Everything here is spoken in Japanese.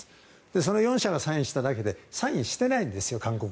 その４者がサインしただけで韓国側はサインしてないんです。